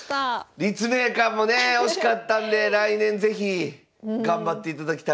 立命館もね惜しかったんで来年是非頑張っていただきたい。